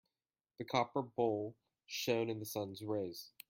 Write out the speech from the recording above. The copper bowl shone in the sun's rays.